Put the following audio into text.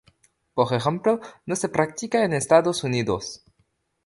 Por ejemplo, no se practica en Estados Unidos.